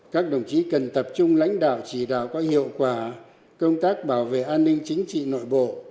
các đồng chí cần tập trung lãnh đạo chỉ đạo có hiệu quả công tác bảo vệ an ninh chính trị nội bộ